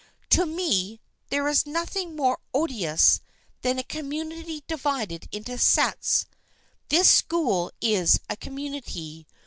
To me, there is nothing more odious than a community divided into sets. This school is a community.